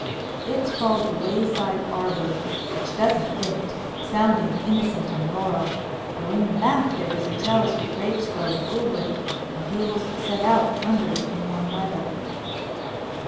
It's called the Wayside Arbor, which doesn't fit, sounding innocent and rural, though in the back there is a trellis with grapes growing over it and tables set out under it in warm weather.